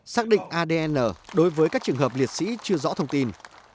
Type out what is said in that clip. xác định adn đối với các trường hợp liệt sĩ chưa rõ thông tin